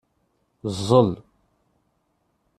Ẓẓel.